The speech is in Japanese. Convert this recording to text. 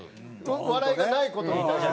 笑いがない事に対して。